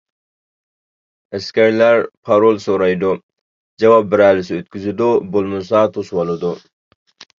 ئەسكەرلەر پارول سورايدۇ، جاۋاب بېرەلىسە ئۆتكۈزىدۇ، بولمىسا توسۇۋالىدۇ.